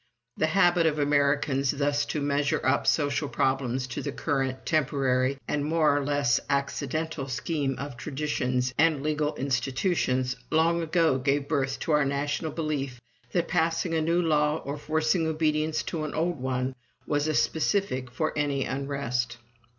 The habit of Americans thus to measure up social problems to the current, temporary, and more or less accidental scheme of traditions and legal institutions, long ago gave birth to our national belief that passing a new law or forcing obedience to an old one was a specific for any unrest.